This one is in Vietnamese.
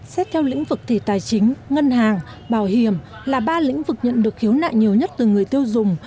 xét theo lĩnh vực thì tài chính ngân hàng bảo hiểm là ba lĩnh vực nhận được khiếu nại nhiều nhất từ người tiêu dùng